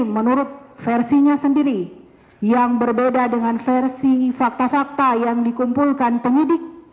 menurut versinya sendiri yang berbeda dengan versi fakta fakta yang dikumpulkan penyidik